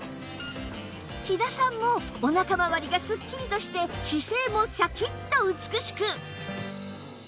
飛騨さんもお腹まわりがスッキリとして姿勢もシャキッと美しく